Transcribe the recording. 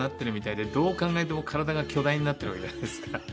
どう考えても体が巨大になってるわけじゃないですか。